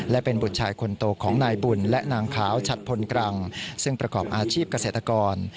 และเป็นบุตรชายคนโตของนายบุญและนางขาวฉัดพลกรังซึ่งประกอบอาชีพเกษตรกร